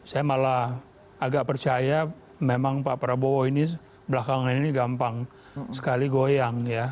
saya malah agak percaya memang pak prabowo ini belakangan ini gampang sekali goyang ya